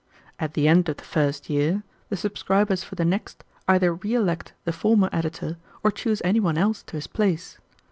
At the end of the first year, the subscribers for the next either re elect the former editor or choose any one else to his place.